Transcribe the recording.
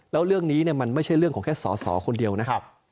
แล้วเรื่องนี้มันไม่ใช่เรื่องของแค่สอสอคนเดียวนะครับ